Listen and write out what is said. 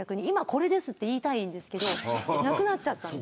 これですと言いたいんですけどなくなっちゃったんです。